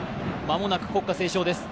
間もなく国歌斉唱です